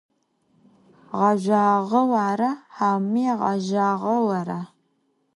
Ğezjüağeu ara, haumi ğezjağeu ara?